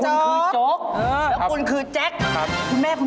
มันยังไม่ตาย